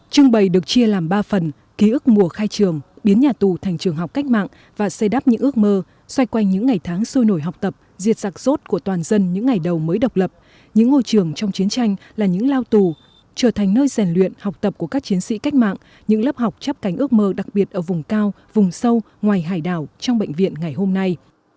trưng bày được chia làm ba phần ký ức mùa khai trường biến nhà tù thành trường học cách mạng và xây đắp những ước mơ xoay quanh những ngày tháng sôi nổi học tập diệt giặc rốt của toàn dân những ngày đầu mới độc lập những ngôi trường trong chiến tranh là những lao tù trở thành nơi giàn luyện học tập của các chiến sĩ cách mạng những lớp học chấp cánh ước mơ đặc biệt ở vùng cao vùng sâu ngoài hải đảo trong bệnh viện ngày hôm nay